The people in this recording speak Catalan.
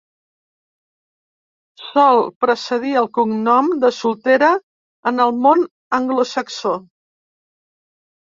Sol precedir el cognom de soltera en el món anglosaxó.